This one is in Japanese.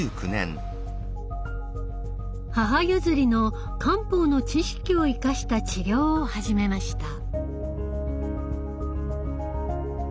母譲りの漢方の知識を生かした治療を始めました。